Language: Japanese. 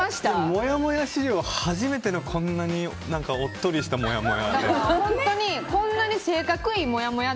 もやもや史上初めてのこんなにおっとりしたもやもや。